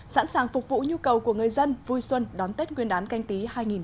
sẵn sàng phục vụ nhu cầu của người dân vui xuân đón tết nguyên đán canh tí hai nghìn hai mươi